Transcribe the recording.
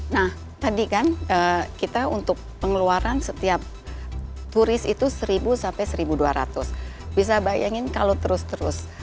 nah tadi kan kita untuk pengeluaran setiap turis itu seribu sampai seribu dua ratus bisa bayangin kalau terus terus